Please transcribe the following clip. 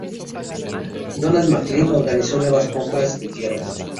Donald McLean organizó nuevas compras de tierras.